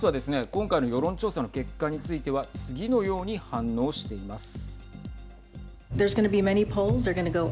今回の世論調査の結果については次のように反応しています。